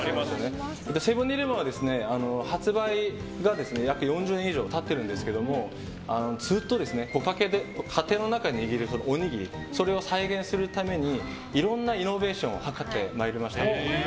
セブン‐イレブンは発売から約４０年以上経っているんですけどもずっと竹の中で握るおにぎりをそれを再現するためにいろんなイノベーションをかかってまいりました。